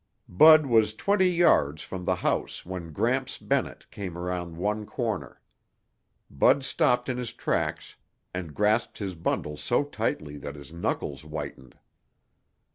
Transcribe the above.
Bud was twenty yards from the house when Gramps Bennett came around one corner. Bud stopped in his tracks and grasped his bundle so tightly that his knuckles whitened.